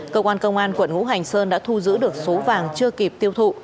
cơ quan công an quận hữu hành sơn đã thu giữ được số vàng chưa kịp tiêu thụ